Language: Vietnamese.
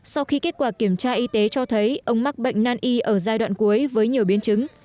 sau khi kết quả kiểm tra y tế cho thấy ông mắc bệnh nan y ở giai đoạn cuối với nhiều biến chứng